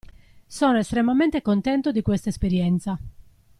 Sono estremamente contento di questa esperienza.